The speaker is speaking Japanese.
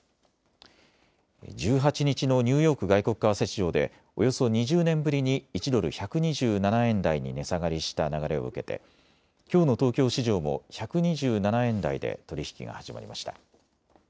１８日のニューヨーク外国為替市場でおよそ２０年ぶりに１ドル１２７円台に値下がりした流れを受けてきょうの東京市場も１２７円台で取り引きが始まりました。